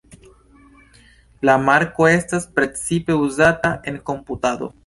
La marko estas precipe uzata en komputado.